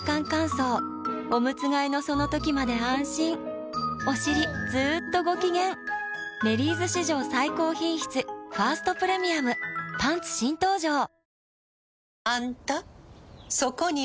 乾燥おむつ替えのその時まで安心おしりずっとご機嫌「メリーズ」史上最高品質「ファーストプレミアム」パンツ新登場！